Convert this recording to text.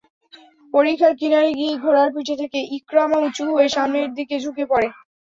পরিখার কিনারে গিয়ে ঘোড়ার পিঠ থেকে ইকরামা উচু হয়ে সামনের দিকে ঝুঁকে পড়ে।